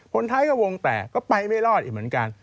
ผลท้ายก็วงแต่ก็ไปไม่รอดเหมือนกัน